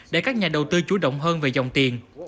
để các nhà đầu tư chủ động hơn về dòng tiền